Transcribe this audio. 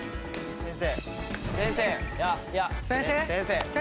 先生！